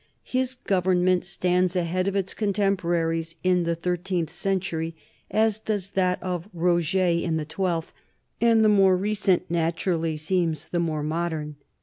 His government stands ahead of its contemporaries in the thirteenth century as does that of Roger in the twelfth, and the more recent naturally seems the more modern.